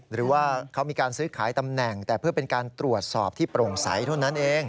หรือว่าเขามีการซื้อขายตำแหน่งแต่เพื่อเป็นการตรวจสอบที่โปร่งใสเท่านั้นเอง